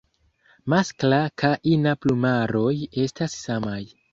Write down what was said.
Maskla ka ina plumaroj estas samaj.